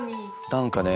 何かね